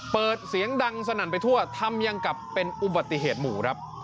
เปิดเสียงดังสนั่นไปทั่วทำยังกลับเป็นอุบัติเหตุหมู่ครับ